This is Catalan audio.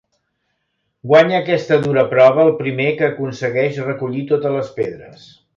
Guanya aquesta dura prova el primer que aconsegueix recollir totes les pedres.